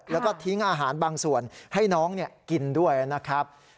แล้วก็ทิ้งอาหารบางส่วนให้น้องกินด้วยนะครับ